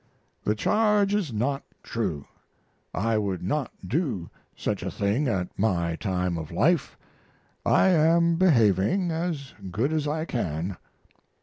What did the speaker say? The charge is not true. I would not do such a thing at my time of life. I am behaving as good as I can.